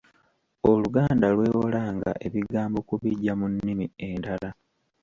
Oluganda lwewolanga ebigambo okubiggya mu nnimi endala.